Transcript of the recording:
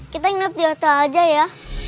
kita ingat di hotel aja ya